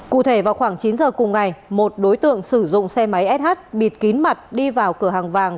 cụ thể vào khoảng chín giờ cùng ngày một đối tượng sử dụng xe máy sh bịt kín mặt đi vào cửa hàng vàng